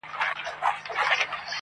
ما د حیاء پردو کي پټي غوښتې-